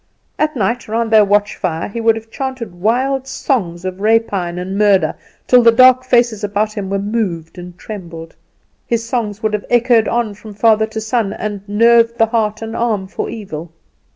At night, round their watch fire, he would have chanted wild songs of rapine and murder, till the dark faces about him were moved and trembled. His songs would have echoed on from father to son, and nerved the heart and arm for evil.